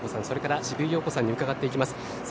それから渋井陽子さんに伺っていきます。